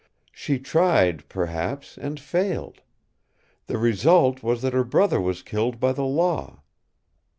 She tried, perhaps, and failed. The result was that her brother was killed by the Law.